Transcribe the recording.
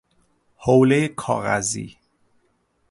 حولهی کاغذی